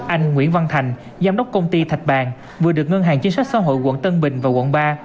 anh nguyễn văn thành giám đốc công ty thạch bàn vừa được ngân hàng chính sách xã hội quận tân bình và quận ba